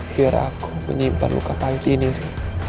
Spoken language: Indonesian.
biar aku menyimpan luka panggih ini ri